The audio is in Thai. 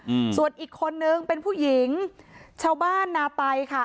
อืมส่วนอีกคนนึงเป็นผู้หญิงชาวบ้านนาไตค่ะ